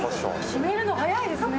決めるの、早いですね。